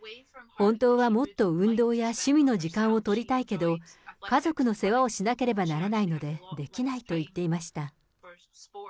本当はもっと運動や趣味の時間を取りたいけど、家族の世話をしなければならないので、できないと言っていました。